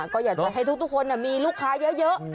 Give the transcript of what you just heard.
ก็อยากจะให้ทุกคนมีลูกค้าเยอะ